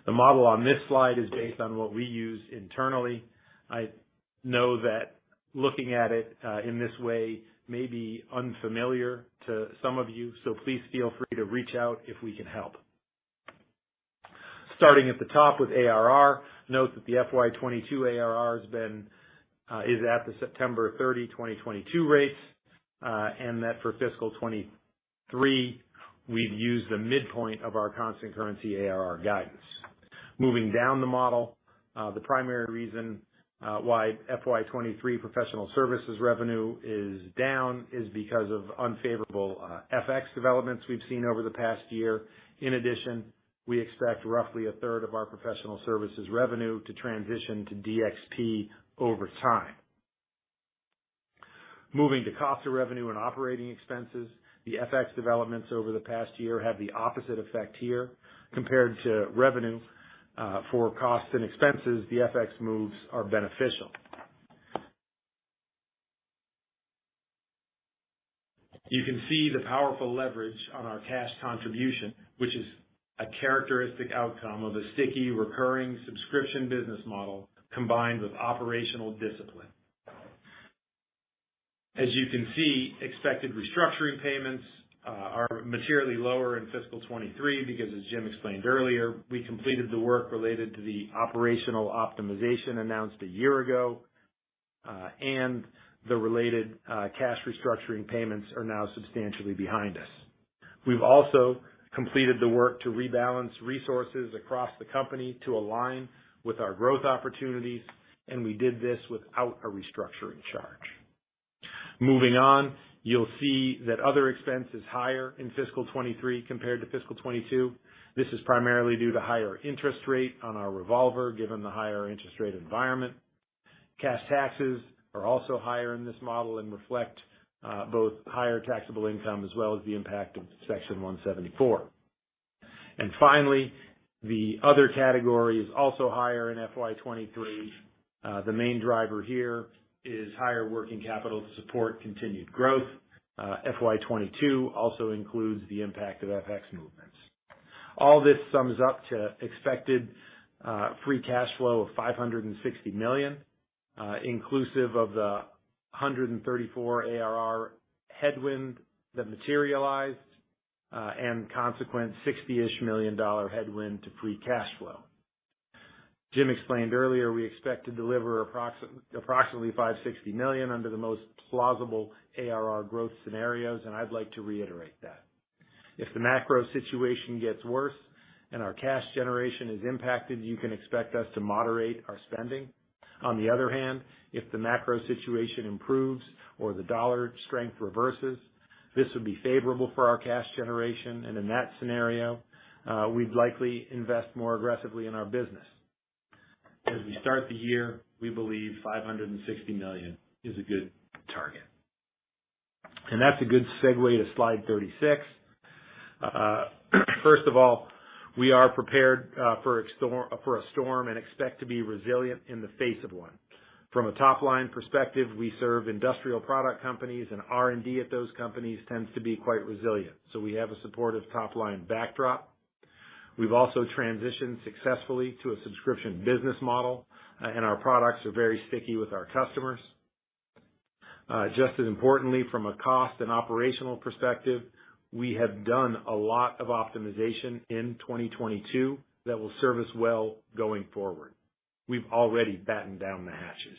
Speaker 4: The model on this slide is based on what we use internally. I know that looking at it in this way may be unfamiliar to some of you, so please feel free to reach out if we can help. Starting at the top with ARR, note that the FY 2022 ARR is at the September 30, 2022 rates, and that for fiscal 2023, we've used the midpoint of our constant currency ARR guidance. Moving down the model, the primary reason why FY 2023 professional services revenue is down is because of unfavorable FX developments we've seen over the past year. In addition, we expect roughly a third of our professional services revenue to transition to DXP over time. Moving to cost of revenue and operating expenses, the FX developments over the past year have the opposite effect here compared to revenue. For costs and expenses, the FX moves are beneficial. You can see the powerful leverage on our cash contribution, which is a characteristic outcome of a sticky recurring subscription business model combined with operational discipline. As you can see, expected restructuring payments are materially lower in fiscal 2023 because, as Jim explained earlier, we completed the work related to the operational optimization announced a year ago, and the related cash restructuring payments are now substantially behind us. We've also completed the work to rebalance resources across the company to align with our growth opportunities, and we did this without a restructuring charge. Moving on, you'll see that other expense is higher in fiscal 2023 compared to fiscal 2022. This is primarily due to higher interest rate on our revolver given the higher interest rate environment. Cash taxes are also higher in this model and reflect both higher taxable income as well as the impact of Section 174. Finally, the other category is also higher in FY 2023. The main driver here is higher working capital to support continued growth. FY 2022 also includes the impact of FX movements. All this sums up to expected free cash flow of $560 million, inclusive of the 134 ARR headwind that materialized, and consequent $60-ish million headwind to free cash flow. Jim explained earlier, we expect to deliver approximately $560 million under the most plausible ARR growth scenarios, and I'd like to reiterate that. If the macro situation gets worse and our cash generation is impacted, you can expect us to moderate our spending. On the other hand, if the macro situation improves or the dollar strength reverses, this would be favorable for our cash generation. In that scenario, we'd likely invest more aggressively in our business. As we start the year, we believe $560 million is a good target. That's a good segue to slide 36. First of all, we are prepared for a storm and expect to be resilient in the face of one. From a top-line perspective, we serve industrial product companies, and R&D at those companies tends to be quite resilient, so we have a supportive top-line backdrop. We've also transitioned successfully to a subscription business model, and our products are very sticky with our customers. Just as importantly, from a cost and operational perspective, we have done a lot of optimization in 2022 that will serve us well going forward. We've already batten down the hatches.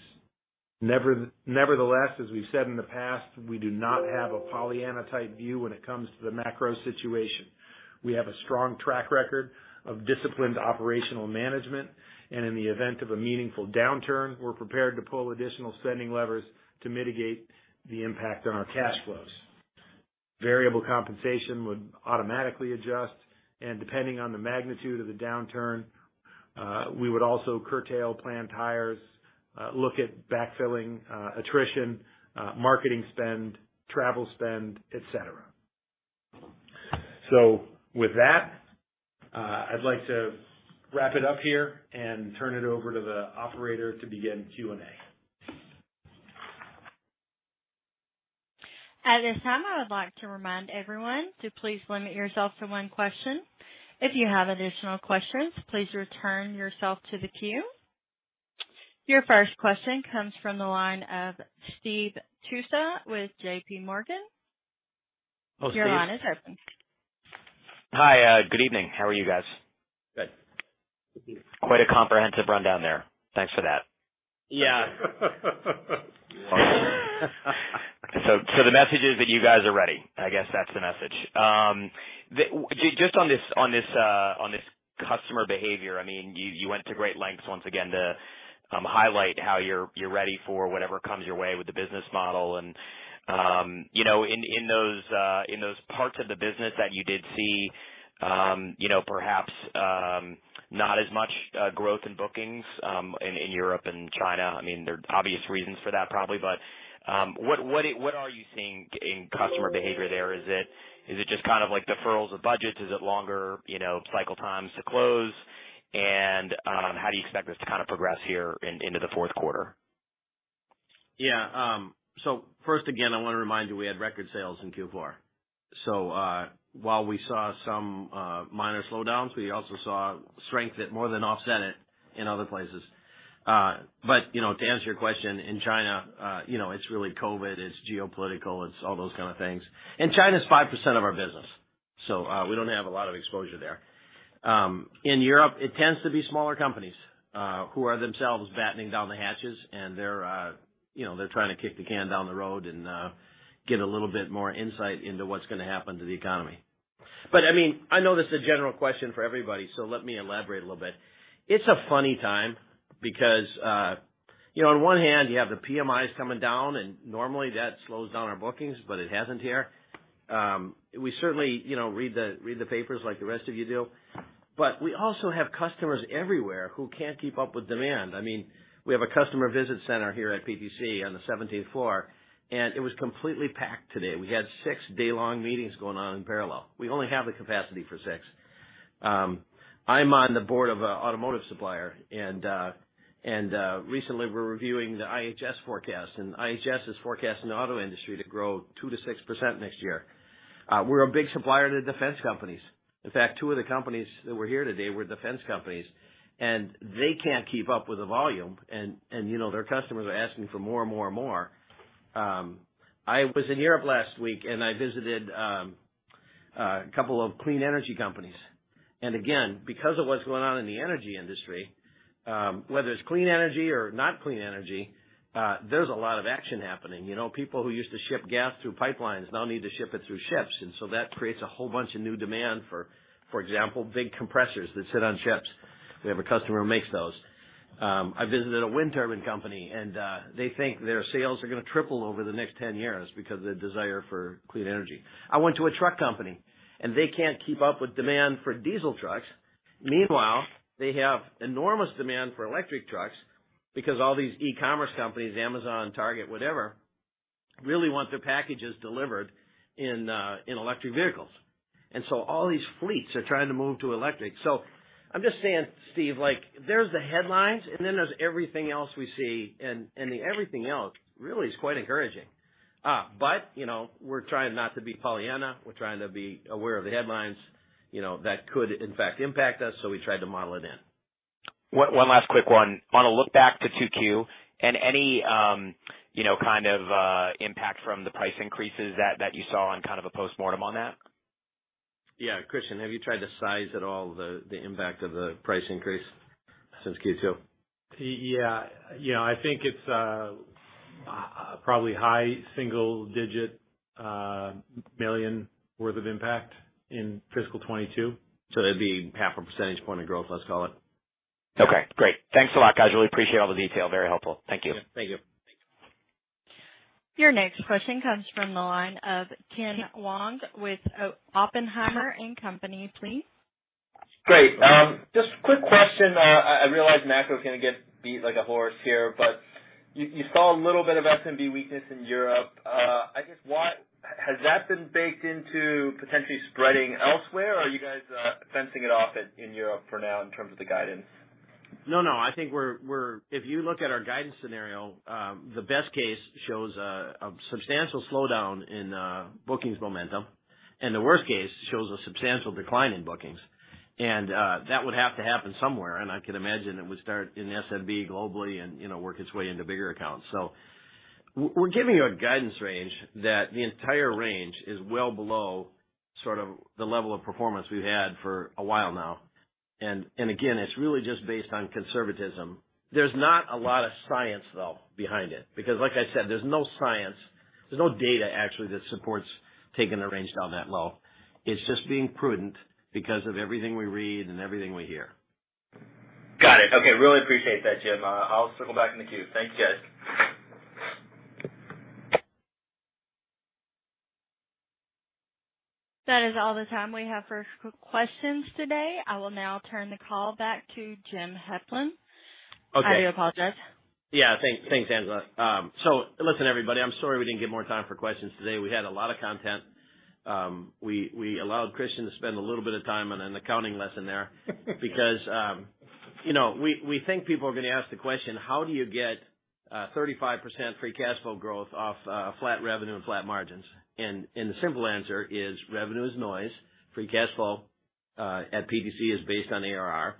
Speaker 4: Nevertheless, as we've said in the past, we do not have a Pollyanna-type view when it comes to the macro situation. We have a strong track record of disciplined operational management, and in the event of a meaningful downturn, we're prepared to pull additional spending levers to mitigate the impact on our cash flows. Variable compensation would automatically adjust, and depending on the magnitude of the downturn, we would also curtail planned hires, look at backfilling, attrition, marketing spend, travel spend, et cetera. With that, I'd like to wrap it up here and turn it over to the operator to begin Q&A.
Speaker 1: At this time, I would like to remind everyone to please limit yourself to one question. If you have additional questions, please return yourself to the queue. Your first question comes from the line of Steve Tusa with J.P. Morgan.
Speaker 4: Hello, Steve.
Speaker 1: Your line is open.
Speaker 5: Hi, good evening. How are you guys?
Speaker 3: Good.
Speaker 4: Good evening.
Speaker 5: Quite a comprehensive rundown there. Thanks for that.
Speaker 4: Yeah.
Speaker 5: The message is that you guys are ready. I guess that's the message. Just on this customer behavior, I mean, you went to great lengths once again to highlight how you're ready for whatever comes your way with the business model. You know, in those parts of the business that you did see, you know, perhaps not as much growth in bookings in Europe and China, I mean, there are obvious reasons for that probably. What are you seeing in customer behavior there? Is it just kind of like deferrals of budgets? Is it longer, you know, cycle times to close? How do you expect this to kind of progress here into the fourth quarter?
Speaker 3: Yeah. First again, I wanna remind you, we had record sales in Q4. While we saw some minor slowdowns, we also saw strength that more than offset it in other places. You know, to answer your question, in China, you know, it's really COVID, it's geopolitical, it's all those kind of things. China's 5% of our business. We don't have a lot of exposure there. In Europe, it tends to be smaller companies, who are themselves battening down the hatches and they're, you know, they're trying to kick the can down the road and, get a little bit more insight into what's gonna happen to the economy. I mean, I know this is a general question for everybody, so let me elaborate a little bit. It's a funny time because, you know, on one hand you have the PMIs coming down, and normally that slows down our bookings, but it hasn't here. We certainly, you know, read the papers like the rest of you do, but we also have customers everywhere who can't keep up with demand. I mean, we have a customer visit center here at PTC on the seventeenth floor, and it was completely packed today. We had six day-long meetings going on in parallel. We only have the capacity for six. I'm on the board of an automotive supplier and recently we're reviewing the IHS forecast, and IHS is forecasting the auto industry to grow 2%-6% next year. We're a big supplier to defense companies. In fact, two of the companies that were here today were defense companies, and they can't keep up with the volume and, you know, their customers are asking for more and more and more. I was in Europe last week and I visited a couple of clean energy companies. Again, because of what's going on in the energy industry, whether it's clean energy or not clean energy, there's a lot of action happening. You know, people who used to ship gas through pipelines now need to ship it through ships, and so that creates a whole bunch of new demand for example, big compressors that sit on ships. We have a customer who makes those. I visited a wind turbine company and they think their sales are gonna triple over the next 10 years because of the desire for clean energy. I went to a truck company and they can't keep up with demand for diesel trucks. Meanwhile, they have enormous demand for electric trucks because all these e-commerce companies, Amazon, Target, whatever, really want their packages delivered in electric vehicles. All these fleets are trying to move to electric. I'm just saying, Steve, like there's the headlines and then there's everything else we see and the everything else really is quite encouraging. But you know, we're trying not to be Pollyanna. We're trying to be aware of the headlines, you know, that could, in fact, impact us. We tried to model it in.
Speaker 5: One last quick one. On a look back to 2Q and any, you know, kind of, impact from the price increases that you saw and kind of a postmortem on that.
Speaker 3: Yeah. Kristian, have you tried to size at all the impact of the price increase since Q2?
Speaker 4: Yeah. You know, I think it's probably high single-digit million worth of impact in fiscal 2022.
Speaker 3: It'd be half a percentage point of growth, let's call it.
Speaker 5: Okay, great. Thanks a lot, guys. Really appreciate all the detail. Very helpful. Thank you.
Speaker 3: Yeah. Thank you.
Speaker 1: Your next question comes from the line of Ken Wong with Oppenheimer and Company, please.
Speaker 6: Great. Just quick question. I realize macro's gonna get beat like a horse here, but you saw a little bit of SMB weakness in Europe. I guess, has that been baked into potentially spreading elsewhere, or are you guys fencing it off in Europe for now in terms of the guidance?
Speaker 3: No, no. I think we're. If you look at our guidance scenario, the best case shows a substantial slowdown in bookings momentum, and the worst case shows a substantial decline in bookings. That would have to happen somewhere, and I could imagine it would start in SMB globally and, you know, work its way into bigger accounts. We're giving you a guidance range that the entire range is well below sort of the level of performance we've had for a while now. It's really just based on conservatism. There's not a lot of science though behind it, because like I said, there's no data actually that supports taking the range down that low. It's just being prudent because of everything we read and everything we hear.
Speaker 6: Got it. Okay. Really appreciate that, Jim. I'll circle back in the queue. Thanks, guys.
Speaker 1: That is all the time we have for questions today. I will now turn the call back to Jim Heppelmann.
Speaker 3: Okay.
Speaker 1: I do apologize.
Speaker 3: Yeah. Thanks, Angela. Listen, everybody, I'm sorry we didn't get more time for questions today. We had a lot of content. We allowed Kristian to spend a little bit of time on an accounting lesson there. Because, you know, we think people are gonna ask the question, how do you get 35% free cash flow growth off flat revenue and flat margins? The simple answer is revenue is noise. Free cash flow at PTC is based on ARR,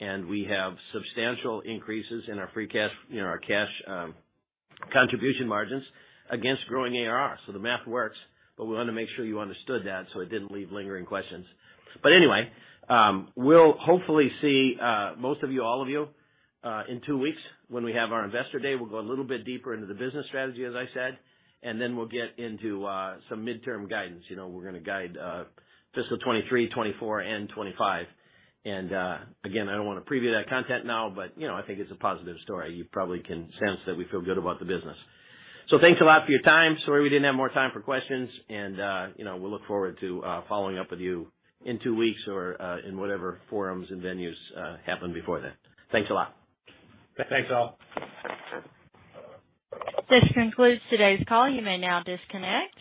Speaker 3: and we have substantial increases in our free cash, you know, our cash contribution margins against growing ARR. The math works, but we wanna make sure you understood that, so it didn't leave lingering questions. Anyway, we'll hopefully see most of you, all of you, in two weeks when we have our Investor Day. We'll go a little bit deeper into the business strategy, as I said, and then we'll get into some midterm guidance. You know, we're gonna guide fiscal 2023, 2024, and 2025. Again, I don't wanna preview that content now, but you know, I think it's a positive story. You probably can sense that we feel good about the business. Thanks a lot for your time. Sorry we didn't have more time for questions and you know, we'll look forward to following up with you in two weeks or in whatever forums and venues happen before then. Thanks a lot.
Speaker 4: Thanks, all.
Speaker 1: This concludes today's call. You may now disconnect.